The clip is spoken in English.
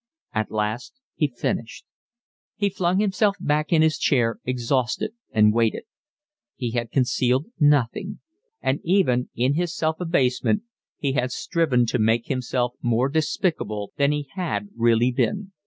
At last he finished. He flung himself back in his chair, exhausted, and waited. He had concealed nothing, and even, in his self abasement, he had striven to make himself more despicable than he had really been.